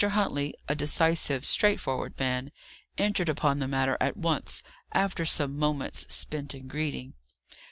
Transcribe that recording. Huntley, a decisive, straightforward man, entered upon the matter at once, after some moments spent in greeting.